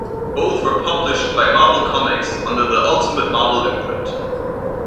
Both were published by Marvel Comics under the Ultimate Marvel imprint.